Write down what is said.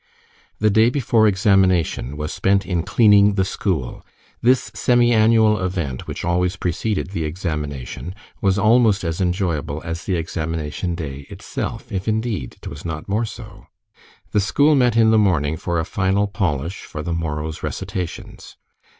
The day before examination was spent in "cleaning the school." This semi annual event, which always preceded the examination, was almost as enjoyable as the examination day itself, if indeed it was not more so. The school met in the morning for a final polish for the morrow's recitations.